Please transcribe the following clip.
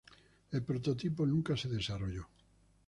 El prototipo nunca se desarrolló.